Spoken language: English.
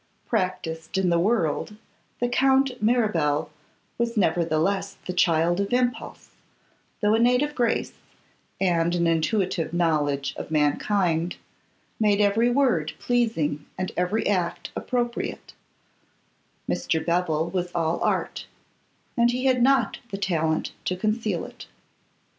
Practised in the world, the Count Mirabel was nevertheless the child of impulse, though a native grace, and an intuitive knowledge of mankind, made every word pleasing and every act appropriate; Mr. Bevil was all art, and he had not the talent to conceal it.